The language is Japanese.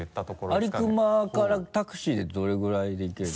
安里隈からタクシーでどれぐらいで行けるの？